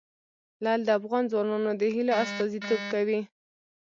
لعل د افغان ځوانانو د هیلو استازیتوب کوي.